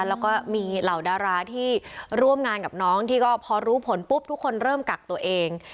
แล้วก็มีเหล่าดาราที่ร่วมงานกับน้องที่ก็พอรู้ผลปุ๊บทุกคนเริ่มกักตัวเอง